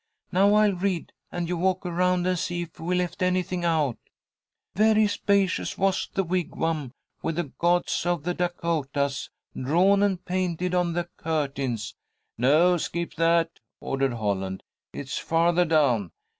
"Now, I'll read, and you walk around and see if we've left anything out: "Very spacious was the wigwam With the gods of the Dacotahs Drawn and painted on the curtains." "No, skip that," ordered Holland. "It's farther down."